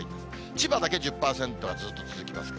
千葉だけ１０％がずっと続きます。